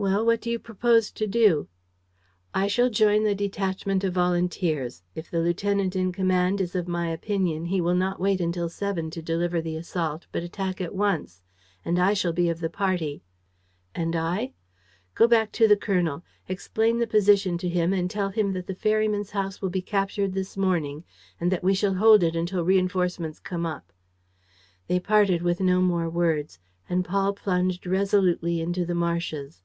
"Well, what do you propose to do?" "I shall join the detachment of volunteers. If the lieutenant in command is of my opinion, he will not wait until seven to deliver the assault, but attack at once. And I shall be of the party." "And I?" "Go back to the colonel. Explain the position to him and tell him that the ferryman's house will be captured this morning and that we shall hold it until reinforcements come up." They parted with no more words and Paul plunged resolutely into the marshes.